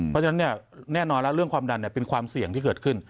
เพราะฉะนั้นแน่นอนแล้วเรื่องความดันเป็นความเสี่ยงที่เกิดขึ้น